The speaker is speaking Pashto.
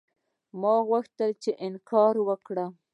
ما غوښتل چې انکار وکړم.